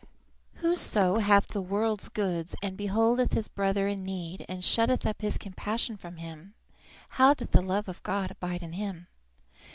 "Whoso hath the world's goods, and beholdeth his brother in need, and shutteth up his compassion from him, how doth the love of God abide in him?